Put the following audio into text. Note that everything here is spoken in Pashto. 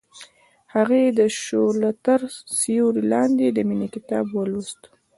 هغې د شعله تر سیوري لاندې د مینې کتاب ولوست.